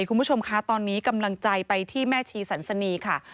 คุณผู้ชมคะตอนนี้กำลังใจไปที่แม่ชีสันสนีค่ะ